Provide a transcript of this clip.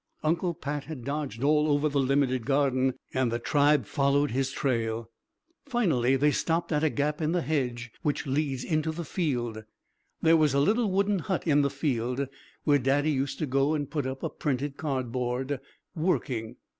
Uncle Pat had dodged all over the limited garden, and the tribe followed his trail. Finally they stopped at a gap in the hedge which leads into the field. There was a little wooden hut in the field, where Daddy used to go and put up a printed cardboard: "WORKING."